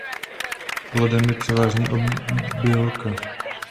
Plodem je převážně obilka.